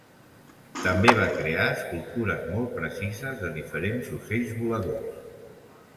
També va crear escultures molt precises de diferents ocells voladors.